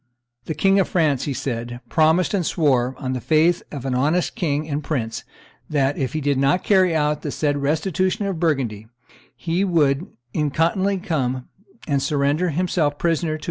"The King of France," he said, "promised and swore, on the faith of an honest king and prince, that, if he did not carry out the said restitution of Burgundy, he would incontinently come and surrender himself prisoner to H.